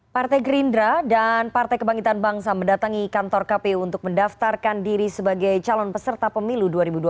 partai gerindra dan partai kebangkitan bangsa mendatangi kantor kpu untuk mendaftarkan diri sebagai calon peserta pemilu dua ribu dua puluh